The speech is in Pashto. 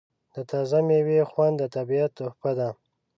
د تازه میوې خوند د طبیعت تحفه ده.